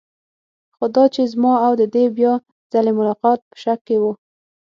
خو دا چې زما او د دې بیا ځلې ملاقات په شک کې و.